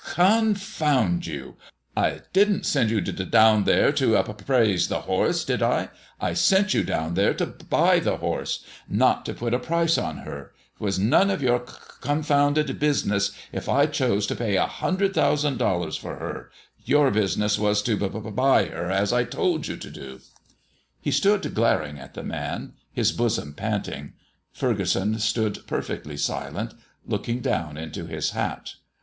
"Confound you! I didn't send you down there to ap appraise the horse, did I? I sent you down there to buy the horse, not to put a price on her. It was none of your confounded business if I chose to pay a hundred thousand dollars for her your business was to buy her, as I told you to do." He stood glaring at the man, his bosom panting. Furgeson stood perfectly silent, looking down into his hat.